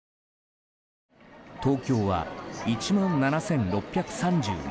東京は１万７６３１人。